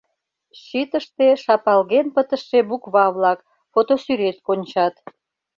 Щитыште шапалген пытыше буква-влак, фотосӱрет кончат.